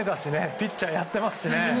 ピッチャーやってますしね。